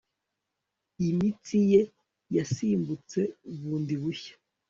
Imitsi ye yasimbutse bundi bushya